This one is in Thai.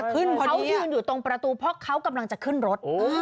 เขายืนอยู่ตรงประตูเพราะเขากำลังจะขึ้นรถ